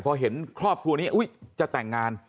เพราะเห็นครอบครัวนี้อุ๊ยจะแต่งงาน